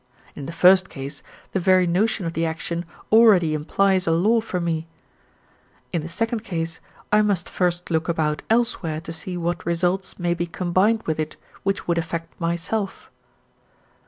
In the first case, the very notion of the action already implies a law for me; in the second case, I must first look about elsewhere to see what results may be combined with it which would affect myself.